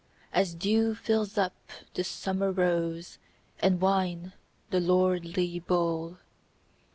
As dew fills up the summer rose And wine the lordly bowl